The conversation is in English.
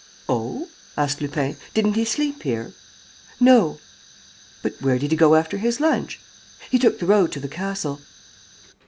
"Oh?" asked Lupin. "Didn't he sleep here?" "No." "But where did he go after his lunch?" "He took the road to the castle."